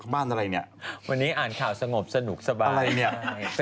ไม่ต้องออกมาก